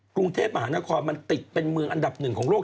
กรุงเทพมหานครมันติดเป็นเมืองอันดับหนึ่งของโลก